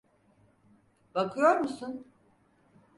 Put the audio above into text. Bakıyor musun?